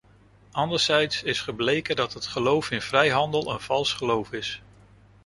Anderzijds is gebleken dat het geloof in vrijhandel een vals geloof is.